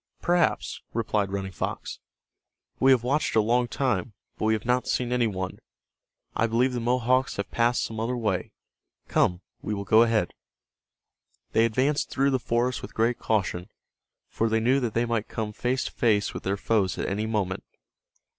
"Perhaps," replied Running Fox. "We have watched a long time, but we have not seen any one. I believe the Mohawks have passed some other way. Come, we will go ahead." They advanced through the forest with great caution, for they knew that they might come face to face with their foes at any moment.